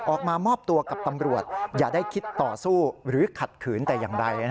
ออกมามอบตัวกับตำรวจอย่าได้คิดต่อสู้หรือขัดขืนแต่อย่างใด